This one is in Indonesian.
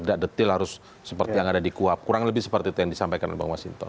tidak detil harus seperti yang ada di kuap kurang lebih seperti itu yang disampaikan oleh bang mas hinton